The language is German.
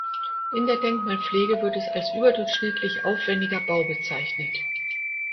In der Denkmalpflege wird es als überdurchschnittlich aufwendiger Bau bezeichnet.